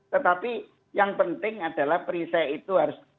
tetapi yang penting adalah perisai itu harus